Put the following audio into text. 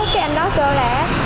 cái anh đó kêu là